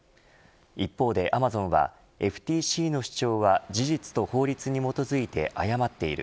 一方でアマゾンはＦＴＣの主張は事実と法律に基づいて誤っている。